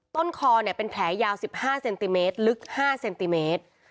ต้นคอเป็นแผลยาว๑๕เซนติเมตรลึก๕เซนติเมตร